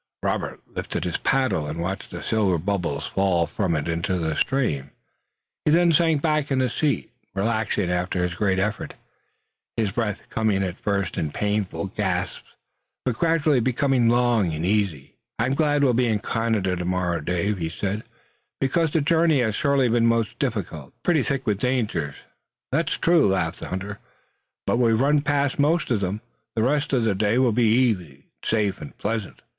Robert lifted his paddle and watched the silver bubbles fall from it into the stream. Then he sank back in his seat, relaxing after his great effort, his breath coming at first in painful gasps, but gradually becoming long and easy. "I'm glad we'll be in Canada tomorrow, Dave," he said, "because the journey has surely been most difficult." "Pretty thick with dangers, that's true," laughed the hunter, "but we've run past most of 'em. The rest of the day will be easy, safe and pleasant."